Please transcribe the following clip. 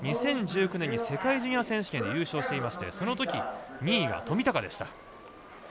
２０１９年に世界ジュニア選手権で優勝していましてそのとき、２位が冨高でした。